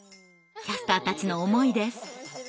キャスターたちの思いです。